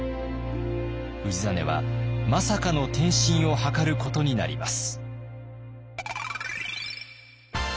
氏真はまさかの転身を図ることになります。